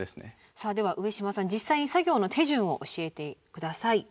さあでは上島さん実際に作業の手順を教えて下さい。